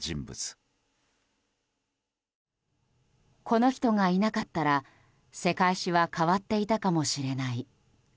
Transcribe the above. この人がいなかったら世界史は変わっていたかもしれない。